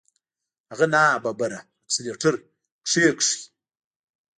هغه ناببره اکسلېټر کېکاږه.